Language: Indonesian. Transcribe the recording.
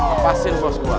apa sih bos gua